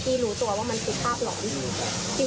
นี่เราล้มลงแล้วนะไม่ตกใจกันหน่อยเหรออะไรแบบนี้ค่ะ